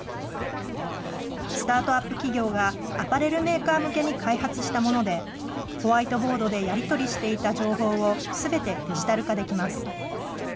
スタートアップ企業がアパレルメーカー向けに開発したもので、ホワイトボードでやり取りしていた情報をすべてデジタル化できます。